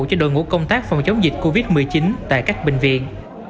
cho đội ngũ công tác phòng chống dịch covid một mươi chín tại các bệnh viện